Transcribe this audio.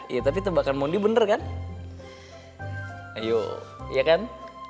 ya tapi tebakan mondi bener kan ayo iya kan